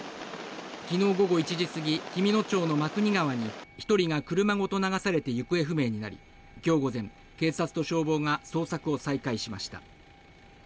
昨日午後１時過ぎ紀美野町の真国川に１人が車ごと流されて行方不明になり今日午前、警察と消防が捜索を再開しました。